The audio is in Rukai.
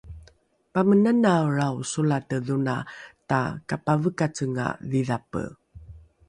pamenanaelrao solate dhona takapavekacenga dhidhape